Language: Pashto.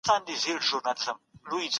ښوونځی د ټولني د پوهاوي اساس جوړوي.